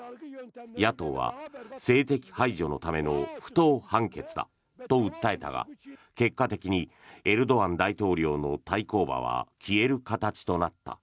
野党は、政敵排除のための不当判決だと訴えたが結果的にエルドアン大統領の対抗馬は消える形となった。